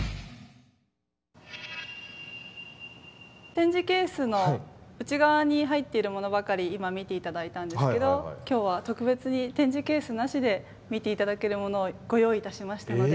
展示ケースの内側に入っているものばかり今見て頂いたんですけど今日は特別に展示ケースなしで見て頂けるものをご用意いたしましたので。